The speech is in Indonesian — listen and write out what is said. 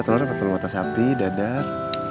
telur telur matah sapi dadar